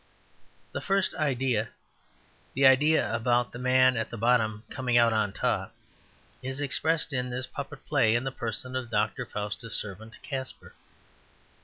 The first idea, the idea about the man at the bottom coming out on top, is expressed in this puppet play in the person of Dr. Faustus' servant, Caspar.